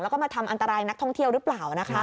แล้วก็มาทำอันตรายนักท่องเที่ยวหรือเปล่านะคะ